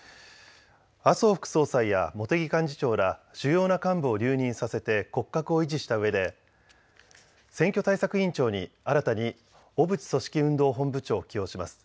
麻生副総裁や茂木幹事長ら主要な幹部を留任させて骨格を維持したうえで選挙対策委員長に新たに小渕組織運動本部長を起用します。